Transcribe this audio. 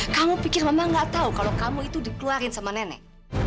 kamu pikir mama gak tahu kalau kamu itu dikeluarin sama nenek